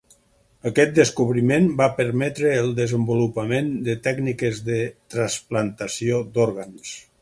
Aquest descobriment va permetre el desenvolupament de tècniques de trasplantació d'òrgans.